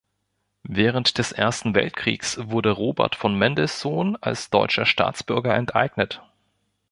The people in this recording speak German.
Während des Ersten Weltkriegs wurde Robert von Mendelssohn als deutscher Staatsbürger enteignet.